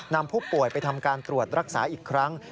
นำผู้ป่วยไปทำการตรวจรักษาอีกครั้ง